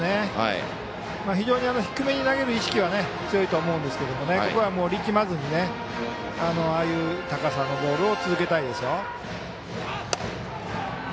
非常に低めに投げる意識が強いと思うんですがここは力まずにああいう高さのボールを続けたいですよ。